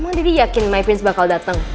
emang daddy yakin my prince bakal dateng